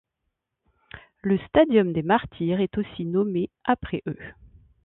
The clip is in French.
Le Stadium des Martyrs est aussi nommé après eux.